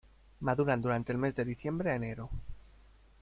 Maduran durante el mes de diciembre a enero.